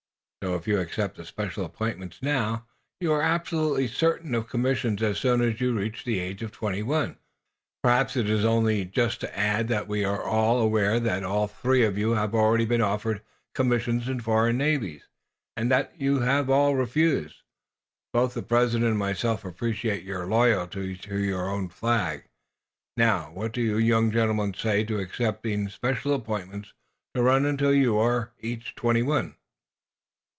So, if you accept the special appointments, now, you are absolutely certain of commissions as soon as you reach the age of twenty one. Perhaps it is only just to add that we are aware that all three of you have already been offered commissions in foreign navies, and that you have refused. Both the President and myself appreciate your loyalty to your own Flag. Now, what do you young gentlemen say to accepting special appointments to run until you are each twenty one?"